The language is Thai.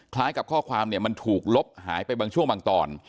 คล้ายกับข้อความเนี่ยมันถูกลบหายไปบางช่วงบางตอน